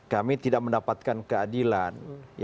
kami tidak mendapatkan keadilan